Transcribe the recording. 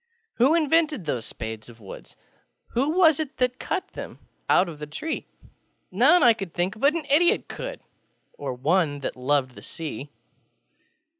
Who invented those spades of wood? Who was it cut them out of the tree? None, I think, but an idiot couldŌĆö Or one that loved the Sea.